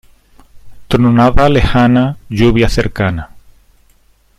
Tronada lejana, lluvia cercana.